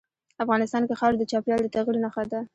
افغانستان کې خاوره د چاپېریال د تغیر نښه ده.